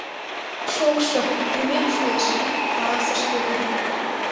— Шокшо, йӱмем шуэш, — каласыш Эду